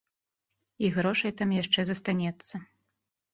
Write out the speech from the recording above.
І грошай там яшчэ застанецца.